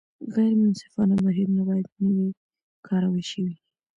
غیر منصفانه بهیرونه باید نه وي کارول شوي.